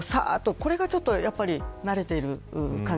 それがちょっと慣れている感じ。